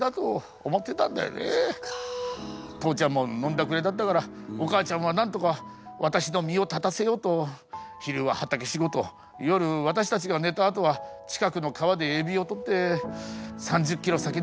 父ちゃんも飲んだくれだったからお母ちゃんはなんとか私の身を立たせようと昼は畑仕事夜私たちが寝たあとは近くの川でエビをとって３０キロ先の町まで売りに行ってたね。